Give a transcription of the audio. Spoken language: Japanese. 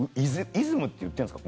『イズム』って言ってんですか？